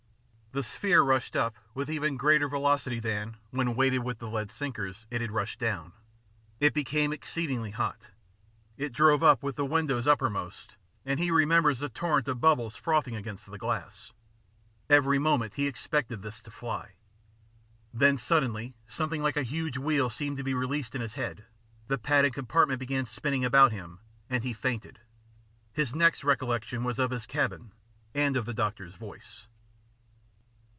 The sphere rushed up with even greater velocity than, when weighted with the lead sinkers, it had rushed down. It became exceedingly hot. It drove up with the windows uppermost, and he remembers the torrent of bubbles frothing against the glass. Every moment he expected this to fly. Then suddenly something like a huge wheel seemed to be released in his head, the padded compartment began spinning about him, and he fainted. His next recollection was of his cabin, and of the doctor's voice.